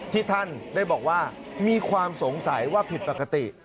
ที่ท่านได้บอกว่ามีความสงสัยว่าผิดปกติ